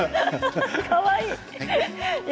かわいい。